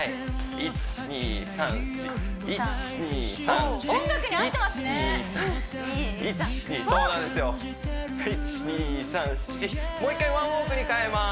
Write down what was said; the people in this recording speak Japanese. １２３４もう１回１ウォークに変えます